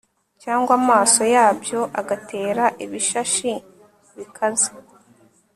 cyangwa amaso yabyo agatera ibishashi bikaze